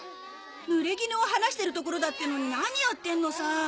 ぬれぎぬを晴らしてるところだっていうのに何やってんのさ。